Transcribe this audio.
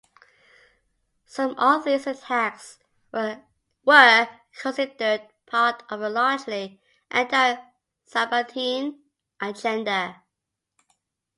Some of these attacks were considered part of a largely Anti-Sabbatean agenda.